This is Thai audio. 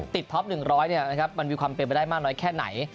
ท็อป๑๐๐มันมีความเป็นไปได้มากน้อยแค่ไหน